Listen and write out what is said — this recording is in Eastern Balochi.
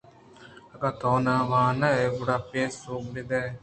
* اگاں تو نہ وان ئے گُڑا بے سوب بہ ئے۔